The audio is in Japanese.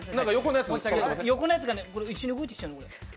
横のやつが一緒に動いてきちゃうの。